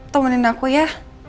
temenin aku ya